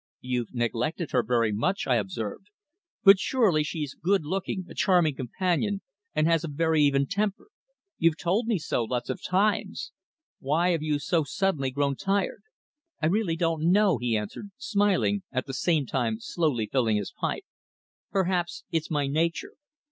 "You've neglected her very much," I observed, "but surely she's good looking, a charming companion, and has a very even temper. You've told me so lots of times. Why have you so suddenly grown tired?" "I really don't know," he answered, smiling, at the same time slowly filling his pipe. "Perhaps it's my nature.